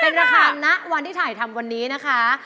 เป็นราคานะวันที่ถ่ายทำวันนี้นะคะ